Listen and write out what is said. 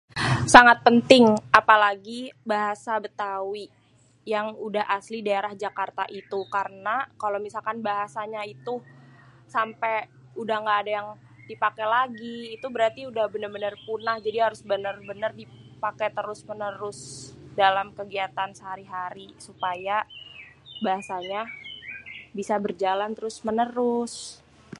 Sangat penting. Apalagi bahasa Bétawi yang udah asli daerah Jakarta itu, karna kalo misalkan bahasanya itu, sampe udah gada yang dipake lagi, itu berarti udah bener-bener punah. Jadi harus bener-bener pake terus menerus dalam kegiatan sehari hari supaya bahasanya biar berjalan terus menerus.